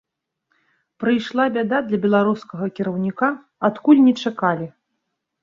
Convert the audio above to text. Прыйшла бяда для беларускага кіраўніка, адкуль не чакалі.